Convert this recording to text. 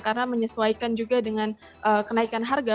karena menyesuaikan juga dengan kenaikan harga